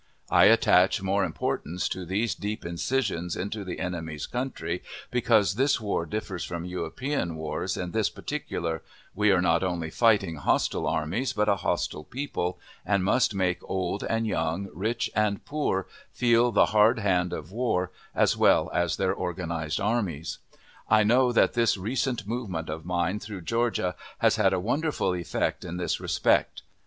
I attach more importance to these deep incisions into the enemy's country, because this war differs from European wars in this particular: we are not only fighting hostile armies, but a hostile people, and must make old and young, rich and poor, feel the hard hand of war, as well as their organized armies. I know that this recent movement of mine through Georgia has had a wonderful effect in this respect.